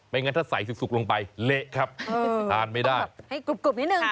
ไม่งั้นถ้าใส่สุกสุกลงไปเละครับเออทานไม่ได้ให้กรุบกรุบนิดหนึ่งค่ะ